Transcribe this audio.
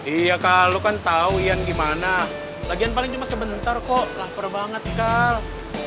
iya kal lo kan tau ian gimana lagian paling cuma sebentar kok laper banget kal